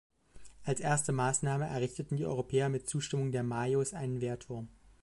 Als erste Maßnahme errichteten die Europäer, mit Zustimmung der Majos, einen Wehrturm.